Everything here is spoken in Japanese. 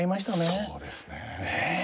そうなんですね。